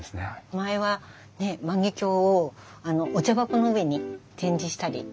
前は万華鏡をお茶箱の上に展示したりしてたんですね。